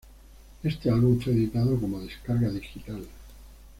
Este álbum fue editado como descarga digital.